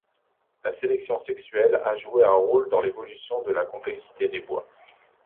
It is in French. La sélection sexuelle a joué un rôle dans l’évolution de la complexité des bois.